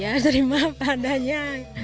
ya terima padanya